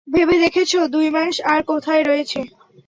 ভেবে দেখেছো দুই মাস আর কোথায় রয়েছে।